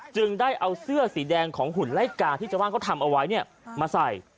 จึงได้เอาเสื้อสีแดงของหุ่นไล่กาที่ชาวบ้านเขาทำเอาไว้มาใส่